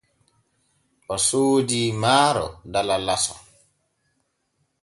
O soodii maaro dala laso.